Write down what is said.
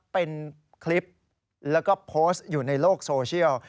เป็นคลิปแล้วก็โพสต์อยู่ในโลกโซเชียล